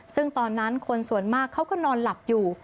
ซึ่งตอนนั้นคนส่วนมากเขาก็นอนหลับอยู่